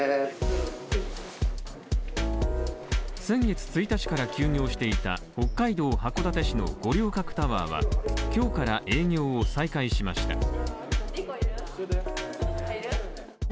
先月１日から休業していた北海道函館市の五稜郭タワーは今日から営業を再開しました。